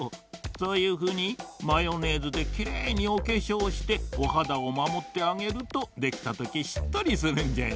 そういうふうにマヨネーズできれいにおけしょうしておはだをまもってあげるとできたときしっとりするんじゃよ。